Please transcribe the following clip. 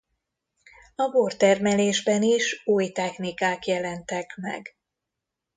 A bortermelésben is új technikák jelentek meg.